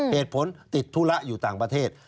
เหตุผลติดธุระอยู่ต่างประเทศ